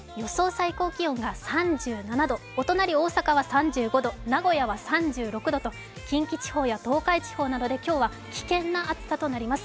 最高気温が３７度、お隣、大阪は３５度、名古屋は３６度と近畿地方や東海地方などで今日は危険な暑さとなります。